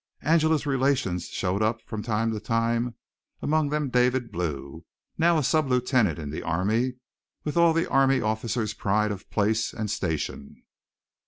Angela's relations showed up from time to time, among them David Blue, now a sub lieutenant in the army, with all the army officer's pride of place and station.